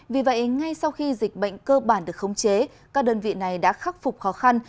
vì vậy ngay sau khi dịch bệnh cơ bản được khống chế các đơn vị này đã khắc phục khó khăn